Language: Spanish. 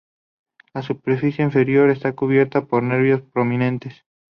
La superficie inferior está cubierta por nervios prominentes.